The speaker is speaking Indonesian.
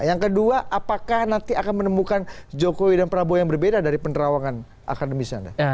yang kedua apakah nanti akan menemukan jokowi dan prabowo yang berbeda dari penerawangan akademis anda